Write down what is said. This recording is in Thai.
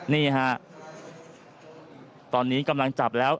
นี่ฮะตอนนี้กำลังจับแล้ว